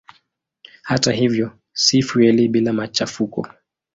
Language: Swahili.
Hata hivyo si fueli bila machafuko.